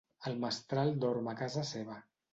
El mestral dorm a casa seva.